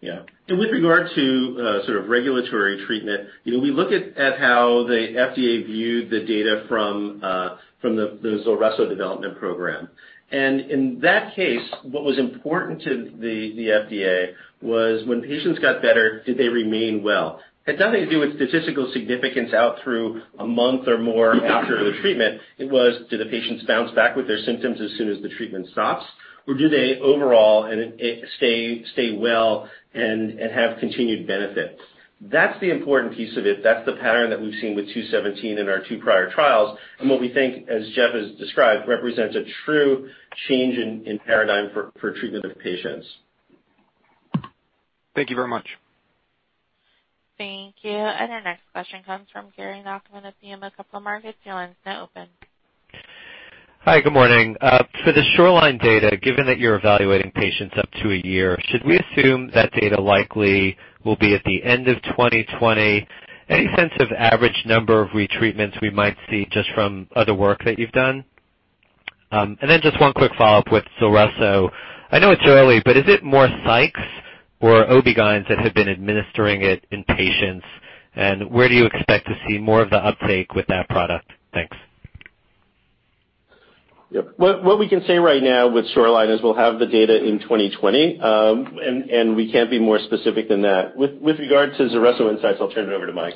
Yeah. With regard to sort of regulatory treatment, we look at how the FDA viewed the data from the ZULRESSO development program. In that case, what was important to the FDA was when patients got better, did they remain well? Had nothing to do with statistical significance out through a month or more after the treatment. It was, do the patients bounce back with their symptoms as soon as the treatment stops, or do they overall stay well and have continued benefit? That's the important piece of it. That's the pattern that we've seen with 217 in our two prior trials, and what we think, as Jeff has described, represents a true change in paradigm for treatment of patients. Thank you very much. Thank you. Our next question comes from Gary Nachman of BMO Capital Markets. Your line is now open. Hi, good morning. For the SHORELINE data, given that you're evaluating patients up to a year, should we assume that data likely will be at the end of 2020? Any sense of average number of retreatments we might see just from other work that you've done? Then just one quick follow-up with ZULRESSO. I know it's early, but is it more psychs or OBGYNs that have been administering it in patients? Where do you expect to see more of the uptake with that product? Thanks. Yep. What we can say right now with SHORELINE is we'll have the data in 2020, and we can't be more specific than that. With regard to ZULRESSO insights, I'll turn it over to Mike.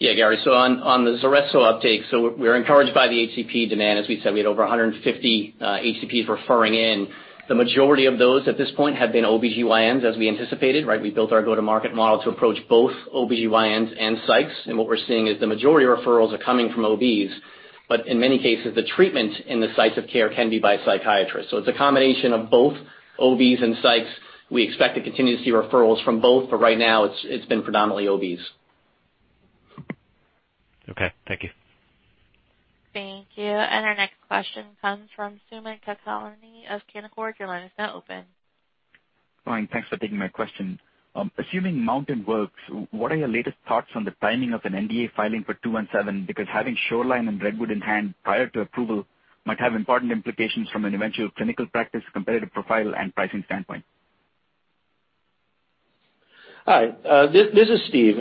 Yeah, Gary. On the ZULRESSO uptake, we're encouraged by the HCP demand. As we said, we had over 150 HCPs referring in. The majority of those at this point have been OBGYNs, as we anticipated, right? We built our go-to-market model to approach both OBGYNs and psychs, and what we're seeing is the majority of referrals are coming from OBs, but in many cases, the treatment in the sites of care can be by psychiatrists. It's a combination of both OBs and psychs. We expect to continue to see referrals from both. Right now it's been predominantly OBs. Okay, thank you. Thank you. Our next question comes from Sumant Kulkarni of Canaccord. Your line is now open. Fine, thanks for taking my question. Assuming MOUNTAIN works, what are your latest thoughts on the timing of an NDA filing for 217? Having SHORELINE and REDWOOD in hand prior to approval might have important implications from an eventual clinical practice, competitive profile, and pricing standpoint. Hi. This is Steve.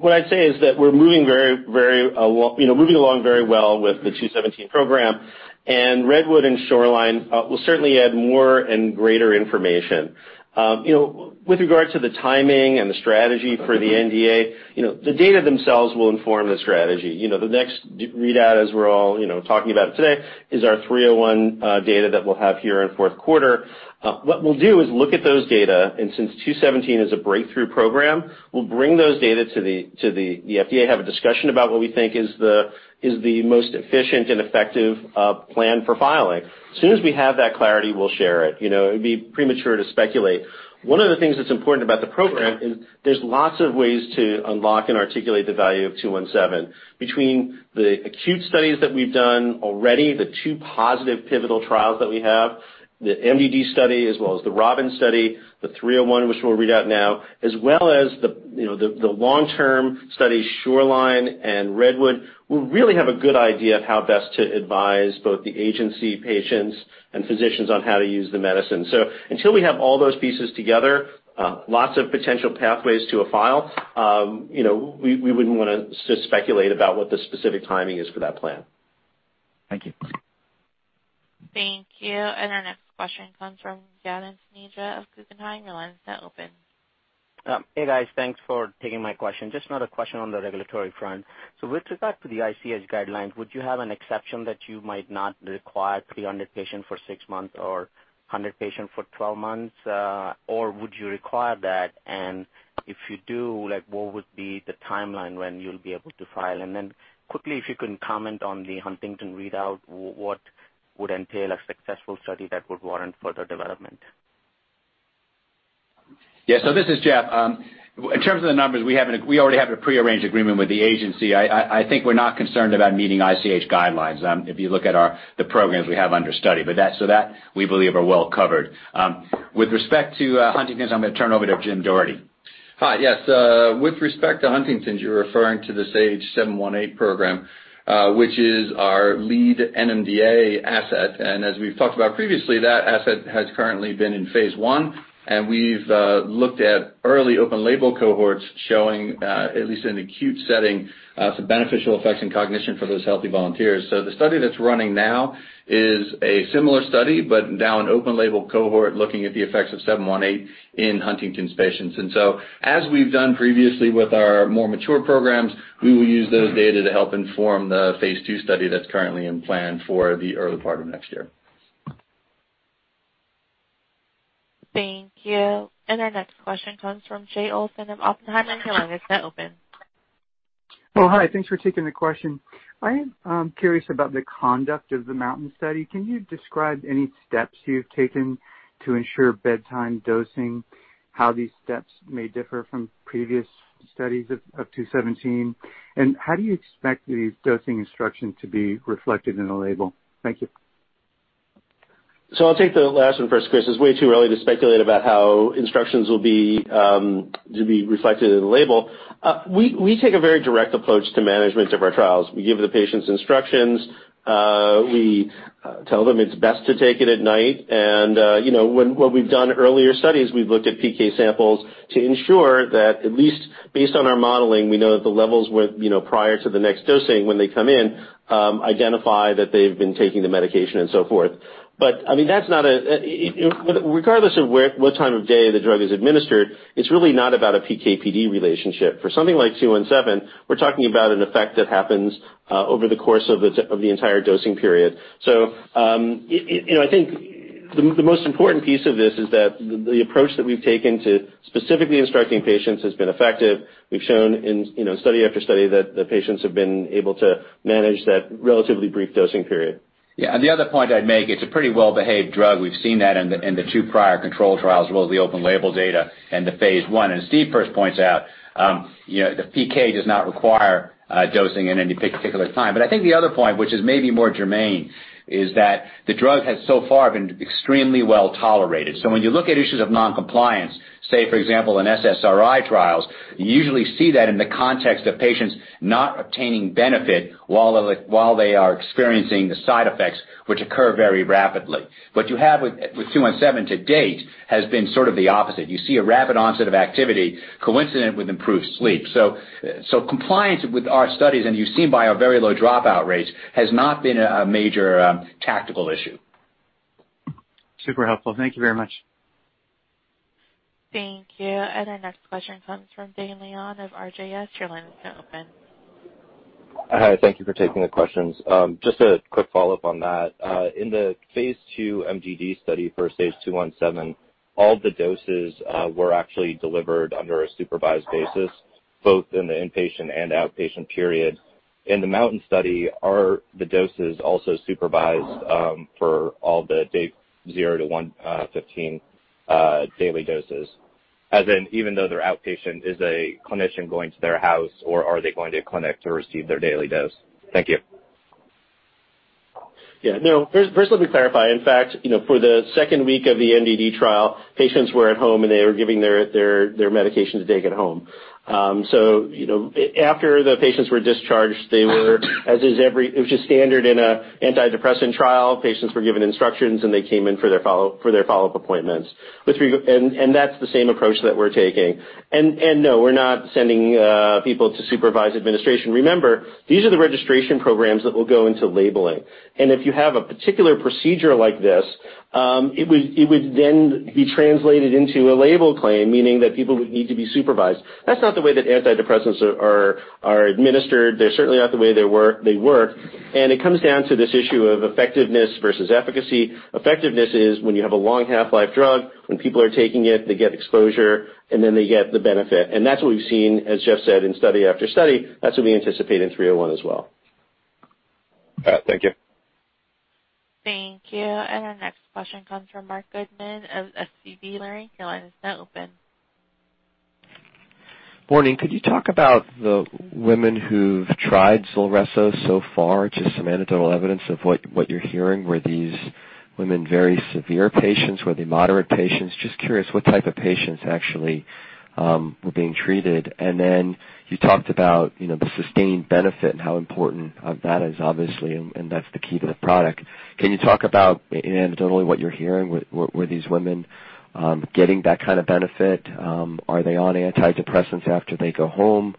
What I'd say is that we're moving along very well with the 217 program, and REDWOOD and SHORELINE will certainly add more and greater information. With regard to the timing and the strategy for the NDA, the data themselves will inform the strategy. The next readout, as we're all talking about today, is our 301 data that we'll have here in fourth quarter. What we'll do is look at those data, and since 217 is a breakthrough program, we'll bring those data to the FDA, have a discussion about what we think is the most efficient and effective plan for filing. As soon as we have that clarity, we'll share it. It would be premature to speculate. One of the things that's important about the program is there's lots of ways to unlock and articulate the value of 217. Between the acute studies that we've done already, the two positive pivotal trials that we have, the MDD study as well as the ROBIN study, the 301 which we'll read out now, as well as the long-term study, SHORELINE and REDWOOD, we'll really have a good idea of how best to advise both the agency, patients, and physicians on how to use the medicine. Until we have all those pieces together, lots of potential pathways to a file. We wouldn't want to speculate about what the specific timing is for that plan. Thank you. Thank you. Our next question comes from Yatin Suneja of Guggenheim. Your line is now open. Hey, guys. Thanks for taking my question. Just another question on the regulatory front. With regard to the ICH guidelines, would you have an exception that you might not require 300 patients for 6 months or 100 patients for 12 months? Would you require that? If you do, what would be the timeline when you'll be able to file? Quickly, if you can comment on the Huntington readout, what would entail a successful study that would warrant further development? Yeah. This is Jeff. In terms of the numbers, we already have a prearranged agreement with the agency. I think we're not concerned about meeting ICH guidelines if you look at the programs we have under study. That we believe are well covered. With respect to Huntington's, I'm going to turn over to Jim Doherty. Hi. Yes. With respect to Huntington's, you're referring to the SAGE-718 program which is our lead NMDA asset. As we've talked about previously, that asset has currently been in phase I, and we've looked at early open label cohorts showing, at least in acute setting, some beneficial effects in cognition for those healthy volunteers. The study that's running now is a similar study, but now an open label cohort looking at the effects of 718 in Huntington's patients. As we've done previously with our more mature programs, we will use those data to help inform the phase II study that's currently in plan for the early part of next year. Thank you. Our next question comes from Jay Olson of Oppenheimer. Your line is now open. Hi. Thanks for taking the question. I am curious about the conduct of the MOUNTAIN study. Can you describe any steps you've taken to ensure bedtime dosing, how these steps may differ from previous studies of 217, and how do you expect the dosing instruction to be reflected in a label? Thank you. I'll take the last one first, Chris. It's way too early to speculate about how instructions will be reflected in the label. We take a very direct approach to management of our trials. We give the patients instructions. We tell them it's best to take it at night. What we've done earlier studies, we've looked at PK samples to ensure that at least based on our modeling, we know that the levels prior to the next dosing, when they come in, identify that they've been taking the medication and so forth. Regardless of what time of day the drug is administered, it's really not about a PK/PD relationship. For something like SAGE-217, we're talking about an effect that happens over the course of the entire dosing period. I think the most important piece of this is that the approach that we've taken to specifically instructing patients has been effective. We've shown in study after study that the patients have been able to manage that relatively brief dosing period. Yeah. The other point I'd make, it's a pretty well-behaved drug. We've seen that in the two prior control trials as well as the open label data and the phase I. As Steve first points out the PK does not require dosing at any particular time. I think the other point, which is maybe more germane, is that the drug has so far been extremely well tolerated. When you look at issues of non-compliance, say, for example, in SSRI trials, you usually see that in the context of patients not obtaining benefit while they are experiencing the side effects, which occur very rapidly. What you have with 217 to date has been sort of the opposite. You see a rapid onset of activity coincident with improved sleep. Compliance with our studies, and you've seen by our very low dropout rates, has not been a major tactical issue. Super helpful. Thank you very much. Thank you. Our next question comes from Dane Leone of Raymond James. Your line is now open. Hi. Thank you for taking the questions. Just a quick follow-up on that. In the phase II MDD study for SAGE-217, all the doses were actually delivered under a supervised basis, both in the inpatient and outpatient period. In the MOUNTAIN study, are the doses also supervised for all the day 0 to 115 daily doses? As in, even though they're outpatient, is a clinician going to their house or are they going to a clinic to receive their daily dose? Thank you. Yeah. No. First, let me clarify. In fact, for the second week of the MDD trial, patients were at home, and they were giving their medications to take at home. After the patients were discharged, which is standard in an antidepressant trial, patients were given instructions, and they came in for their follow-up appointments. That's the same approach that we're taking. No, we're not sending people to supervise administration. Remember, these are the registration programs that will go into labeling. If you have a particular procedure like this, it would then be translated into a label claim, meaning that people would need to be supervised. That's not the way that antidepressants are administered. They're certainly not the way they work. It comes down to this issue of effectiveness versus efficacy. Effectiveness is when you have a long half-life drug, when people are taking it, they get exposure, and then they get the benefit. That's what we've seen, as Jeff said, in study after study. That's what we anticipate in 301 as well. All right. Thank you. Thank you. Our next question comes from Marc Goodman of SVB Leerink. Your line is now open. Morning. Could you talk about the women who've tried ZULRESSO so far? Just some anecdotal evidence of what you're hearing. Were these women very severe patients? Were they moderate patients? Just curious what type of patients actually were being treated. You talked about the sustained benefit and how important that is, obviously, and that's the key to the product. Can you talk about, anecdotally, what you're hearing? Were these women getting that kind of benefit? Are they on antidepressants after they go home?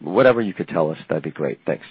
Whatever you could tell us, that'd be great. Thanks.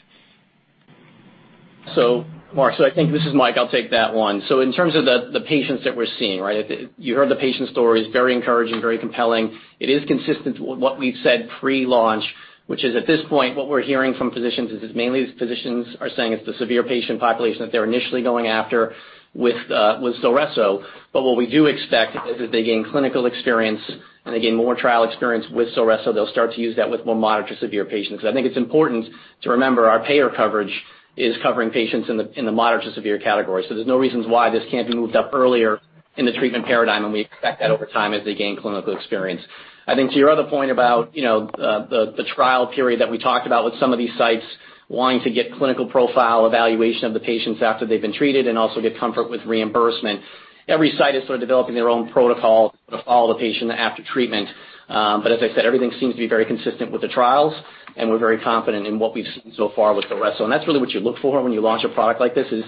Mark, so I think this is Mike, I'll take that one. In terms of the patients that we're seeing, right? You heard the patient stories, very encouraging, very compelling. It is consistent with what we've said pre-launch, which is at this point, what we're hearing from physicians is mainly physicians are saying it's the severe patient population that they're initially going after with ZULRESSO. What we do expect is that they gain clinical experience, and they gain more trial experience with ZULRESSO, they'll start to use that with more moderate to severe patients. Because I think it's important to remember our payer coverage is covering patients in the moderate to severe category. There's no reasons why this can't be moved up earlier in the treatment paradigm, and we expect that over time as they gain clinical experience. I think to your other point about the trial period that we talked about with some of these sites wanting to get clinical profile evaluation of the patients after they've been treated and also get comfort with reimbursement. Every site is sort of developing their own protocol to follow the patient after treatment. As I said, everything seems to be very consistent with the trials, and we're very confident in what we've seen so far with ZULRESSO. That's really what you look for when you launch a product like this is,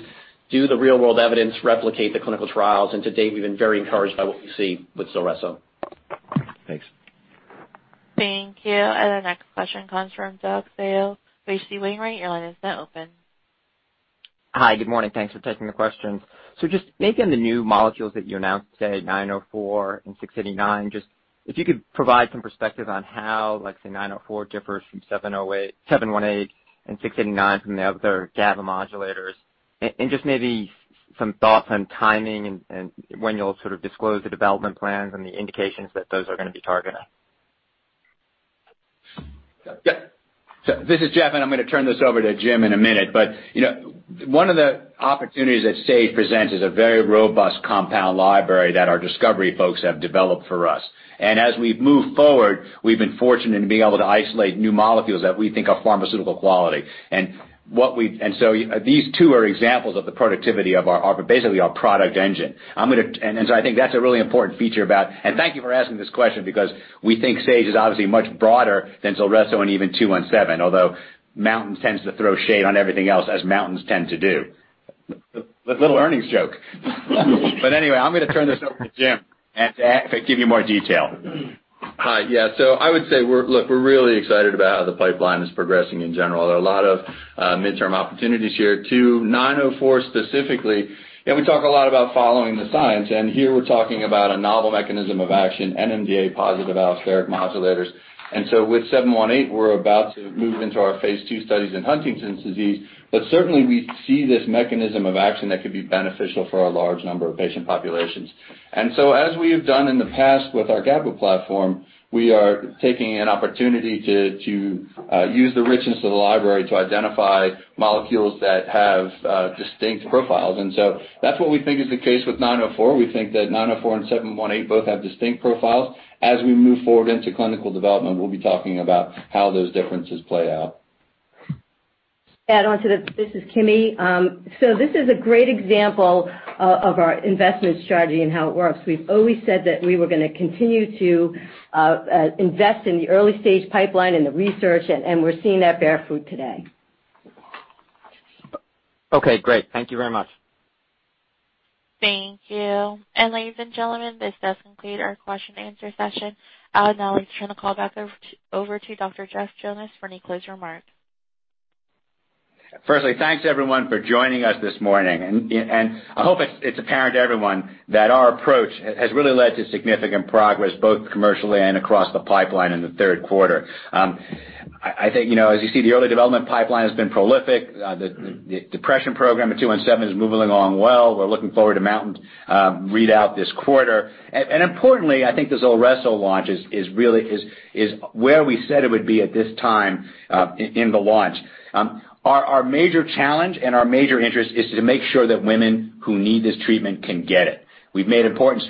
do the real-world evidence replicate the clinical trials? To date, we've been very encouraged by what we see with ZULRESSO. Thanks. Thank you. Our next question comes from Doug Tsao. Operator, your line is now open. Hi, good morning. Thanks for taking the questions. Just maybe on the new molecules that you announced today, 904 and 689, just if you could provide some perspective on how, let's say 904 differs from 718 and 689 from the other GABA modulators. Just maybe some thoughts on timing and when you'll sort of disclose the development plans and the indications that those are going to be targeting. This is Jeff, and I'm going to turn this over to Jim in a minute, but one of the opportunities that Sage presents is a very robust compound library that our discovery folks have developed for us. as we've moved forward, we've been fortunate in being able to isolate new molecules that we think are pharmaceutical quality. these two are examples of the productivity of basically our product engine. I think that's a really important feature about thank you for asking this question because we think Sage is obviously much broader than ZULRESSO and even 217, although mountain tends to throw shade on everything else as mountains tend to do. A little earnings joke. anyway, I'm going to turn this over to Jim to give you more detail. Hi. Yeah. I would say we're really excited about how the pipeline is progressing in general. There are a lot of midterm opportunities here. To 904 specifically, yeah, we talk a lot about following the science, and here we're talking about a novel mechanism of action, NMDA positive allosteric modulators. With 718, we're about to move into our phase II studies in Huntington's disease. Certainly, we see this mechanism of action that could be beneficial for a large number of patient populations. As we have done in the past with our GABA platform, we are taking an opportunity to use the richness of the library to identify molecules that have distinct profiles. That's what we think is the case with 904. We think that 904 and 718 both have distinct profiles. As we move forward into clinical development, we'll be talking about how those differences play out. Add on to this. This is Kimi. This is a great example of our investment strategy and how it works. We've always said that we were going to continue to invest in the early-stage pipeline and the research, and we're seeing that bear fruit today. Okay, great. Thank you very much. Thank you. Ladies and gentlemen, this does conclude our question and answer session. I would now like to turn the call back over to Dr. Jeff Jonas for any closing remarks. Firstly, thanks everyone for joining us this morning. I hope it's apparent to everyone that our approach has really led to significant progress both commercially and across the pipeline in the third quarter. I think as you see, the early development pipeline has been prolific. The depression program at 217 is moving along well. We're looking forward to MOUNTAIN readout this quarter. Importantly, I think the ZULRESSO launch is where we said it would be at this time in the launch. Our major challenge and our major interest is to make sure that women who need this treatment can get it. We've made important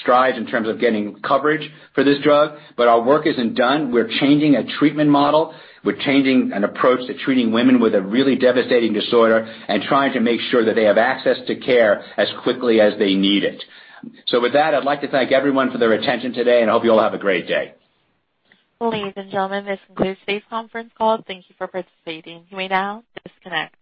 strides in terms of getting coverage for this drug, but our work isn't done. We're changing a treatment model. We're changing an approach to treating women with a really devastating disorder and trying to make sure that they have access to care as quickly as they need it. With that, I'd like to thank everyone for their attention today, and I hope you all have a great day. Ladies and gentlemen, this concludes today's conference call. Thank you for participating. You may now disconnect.